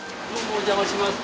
お邪魔します。